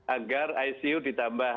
agar icu ditambah